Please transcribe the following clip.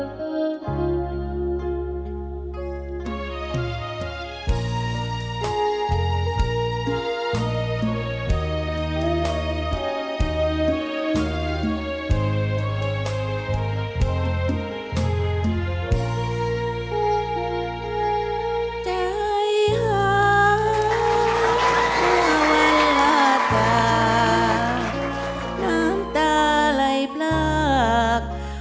เพลงที่๓เพลงมาครับ